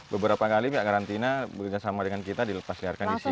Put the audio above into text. beberapa kali karantina bersama dengan kita dilepas liarkan disini